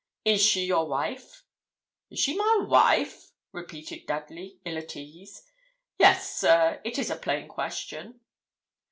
'Is she your wife?' 'Is she my wife?' repeated Dudley, ill at ease. 'Yes, sir; it is a plain question.'